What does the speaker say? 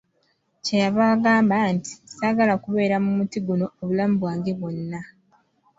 Kye yava agamba nti, saagala kubeera mu muti guno obulamu bwange bwonna.